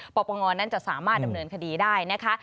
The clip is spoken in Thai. ปปงนั้นจะสามารถดำเนินคดีได้นะคะ